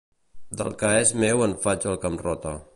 Del que és meu en faig el que em rota.